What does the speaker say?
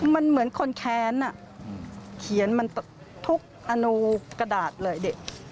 มันเหมือนคนแค้นเขียนมันทุกอโนกระดาษเลยเด็ก